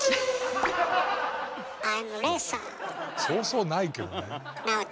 そうそうないけどね。